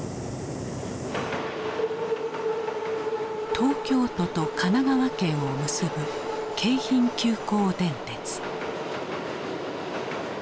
東京都と神奈川県を結ぶ京浜急行電鉄。